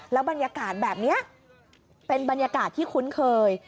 บรรยากาศแบบนี้เป็นบรรยากาศที่คุ้นเคย